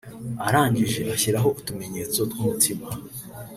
arangije ashyiraho utumenyetso tw’umutima